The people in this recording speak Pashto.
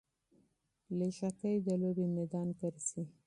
لږکي د لوبې میدان ګرځي.